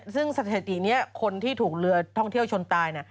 ซึ่งสถิตินี้คนที่ถูกเรือท่องเที่ยวชนตาย